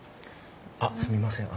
あっすみません